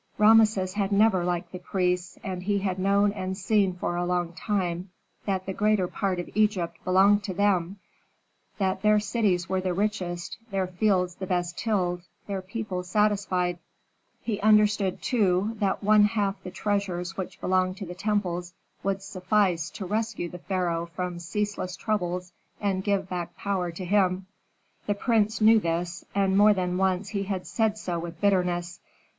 Rameses had never liked the priests, and he had known and seen for a long time that the greater part of Egypt belonged to them, that their cities were the richest, their fields the best tilled, their people satisfied. He understood too that one half the treasures which belonged to the temples would suffice to rescue the pharaoh from ceaseless troubles and give back power to him. The prince knew this, and more than once he had said so with bitterness.